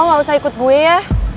ki lo gak usah ikut gue ya